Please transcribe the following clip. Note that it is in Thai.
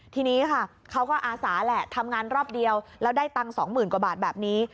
ทีนี้ค่ะเขาก็อาสาแหละทำงานรอบเดียวแล้วได้ตังค์๒๐๐๐กว่าบาทแบบนี้